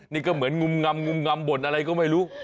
นี่ก็เหมือนงุมงำบ่นอะไรก็ไม่รู้